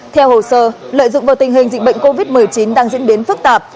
theo hồ sơ lợi dụng vào tình hình dịch bệnh covid một mươi chín đang diễn biến phức tạp